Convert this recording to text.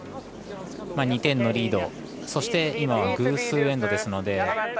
２点のリードそして今は偶数エンドですので。